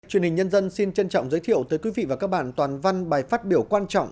truyền hình nhân dân xin trân trọng giới thiệu tới quý vị và các bạn toàn văn bài phát biểu quan trọng